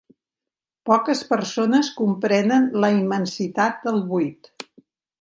Poques persones comprenen la immensitat del buit.